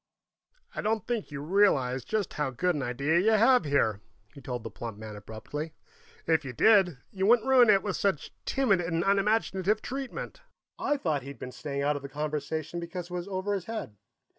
"I don't think you realize just how good an idea you have, here," he told the plump man abruptly. "If you did, you wouldn't ruin it with such timid and unimaginative treatment." I thought he'd been staying out of the conversation because it was over his head.